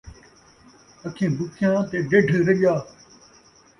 اکھیں بکھیاں تے ڈڈھ رڄا